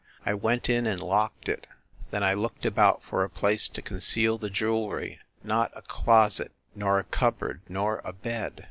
I went in and locked it. Then I looked about for a place to conceal the jewelry. Not a closet, nor a cupboard, nor a bed.